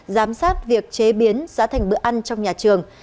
giám sát việc chế biến giá thành bữa ăn trong nhà trường